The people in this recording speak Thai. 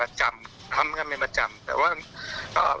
เขาจะเข้าหากที่หนึ่งเป็นจำที่สักครั้งที่สี่มันจำ